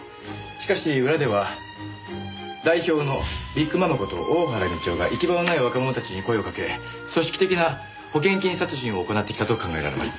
しかし裏では代表のビッグママこと大原美千代が行き場のない若者たちに声をかけ組織的な保険金殺人を行ってきたと考えられます。